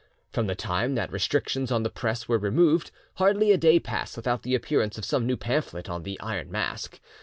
From the time that restrictions on the press were removed, hardly a day passed without the appearance of some new pamphlet on the Iron Mask.